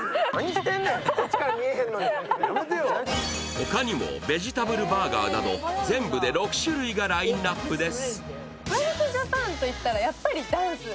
ほかにもベジタブルバーガーなど全部で６種類がラインナップです。